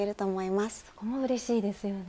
そこもうれしいですよね。